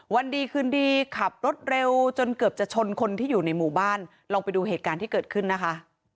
วันดีคืนดีขับรถเร็วจนเกือบจะชนคนที่อยู่ในหมู่บ้านลองไปดูเหตุการณ์ที่เกิดขึ้นนะคะ